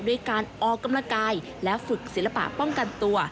ด้วยการออกกำลังกายและฝึกศิลปะป้องกันตัว